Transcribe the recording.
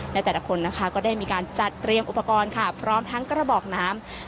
และแต่ละคนนะคะก็ได้มีการจัดเตรียมอุปกรณ์ค่ะพร้อมทั้งกระบอกน้ำ